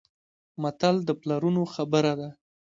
متل د پلرونو خبره ده.